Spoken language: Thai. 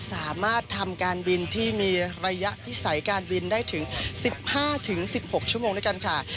สามารถทำการบินที่มีระยะพิสัยการบินได้ถึง๑๕๑๖ชั่วโมงด้วยกันค่ะ